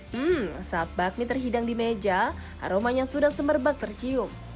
hmm saat bakmi terhidang di meja aromanya sudah semerbak tercium